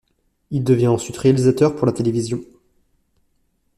Il devient ensuite réalisateur pour la télévision.